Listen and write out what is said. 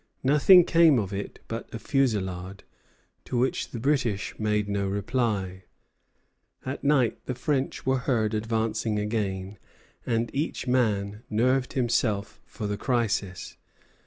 Nothing came of it but a fusillade, to which the British made no reply. At night the French were heard advancing again, and each man nerved himself for the crisis.